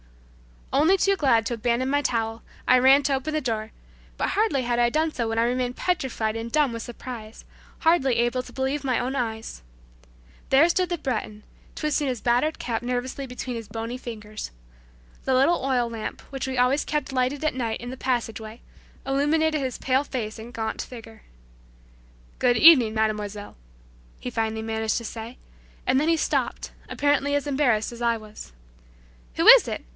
Only too glad to abandon my towel, I ran to open the door, but hardly had I done so when I remained petrified and dumb with surprise, hardly able to believe my own eyes. There stood the Breton twisting his battered cap nervously between his bony fingers. The little oil lamp, which we always kept lighted at night in the passageway, illuminated his pale face and gaunt figure. "Good evening, mademoiselle," he finally managed to say, and then he stopped, apparently as embarrassed as I was. "Who it is?"